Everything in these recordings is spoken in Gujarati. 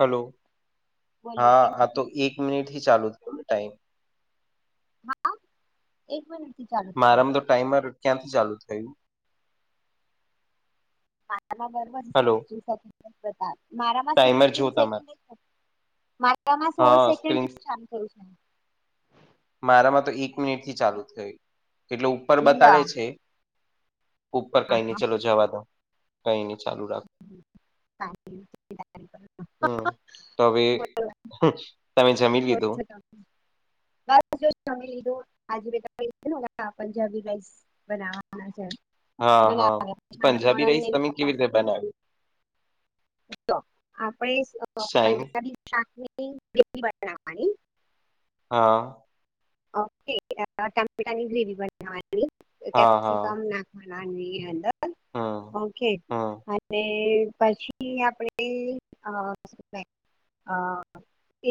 હલો, બોલો હા કેમ આ છો? તો એક મિનિટથી ચાલુ થયો ટાઈમ. હા એક મિનિટ થી ચાલુ થયો મારામાં તો ટાઈમર કેમ ચાલુ થયું? [unintelligible] હલો મારામાં ટાઈમર જો સીકતીન તમારે સેકન્ડ એ થયું મારામાં સોળ હા સેકન્ડ સ્ક્રીન થી જ ચાલું થયું છે. મારામાં તો એક મિનિટથી ચાલુ થયું, એટલે ઉપર છે લ બતાવે હા છે. ઉપર કંઈ ને હા ચાલો જવા દો, કઈને ચાલુ રાખો. સારી રીતે હમ્મ, તો હવે શુ [unintelligible] બસ જો તમે [unintelligible] પંજાબી રાઈસ હા બનાવવાની. [unintelligible] બનેવી. જો આપડે શાઈન પંજાબી શાક ને રોટી બનાવાની. હા. ઓકે, ટમેટાની ગ્રેવી બનાવાની, હા કેપસિકમ ના આની અંદર. હા. ઓકે, હમ અને પછી આપણે અ હા,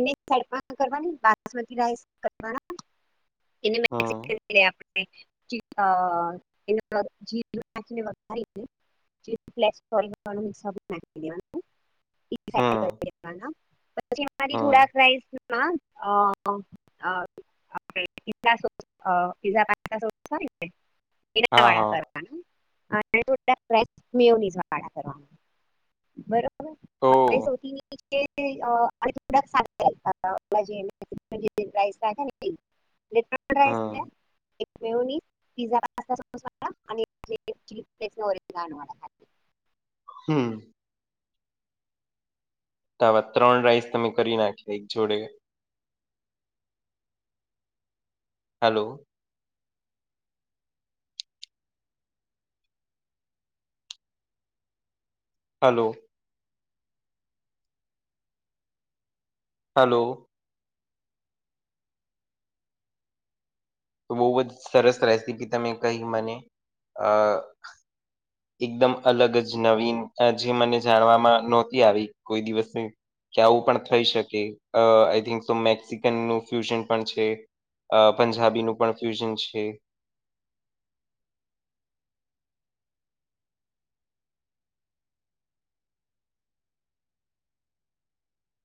એને સાઈડ મા કરવાની, બાસમતી રાઈસ કરવાના. એને મેને હમ સિક્રેટ એ આપણને [unintelligible] [unintelligible] [unintelligible] હમ પછી આમાં થી હમ થોડાસ રાઈસ હા, અ આ પો પઝના વાળ કર હા હા [unintelligible] થોડાક રાઈસ મિઓનિસ વાળા ઓ બનાવુ બરોબર [unintelligible] હવે સૌથી. [unintelligible] એટલે ત્રીપલ રાઈસ હમ થયા. એક મિયોની, પીઝા પાસ્તા સોસવાળા, અને એક ચીલી ફ્લેક્સ ઓરેગાનો વાળા. હમ્મ તો આવા ત્રણ રાઈસ તમે કરી નાખી, એક જોડે. હેલો. હેલો. હલો. તો બહુજ સરસ રેસીપી તમે કહી, મને અ એકદમ અલગ જ નવીન, અ જે મને જાણવામાં નહોતી આવી, કોઈ દિવસે કે આવું પણ થઈ શકે, અ આઈ થિંક તો મેક્સિકન નું ફ્યુઝન પણ છે. અ પંજાબીનું પણ ફ્યુઝન છે.